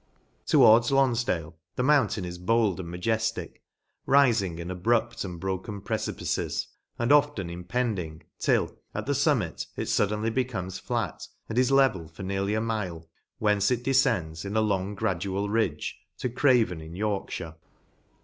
Towards f Lonfdale, the mountain is bold and majef tic, rifing in abrupt and broken precipices, and often impending, till, at the fumtnit, it fuddenly becomes flat, and is level for nearr ly a mile, whence it defcends, in a Wong gradual ridge, to Graven in Yorkfhire.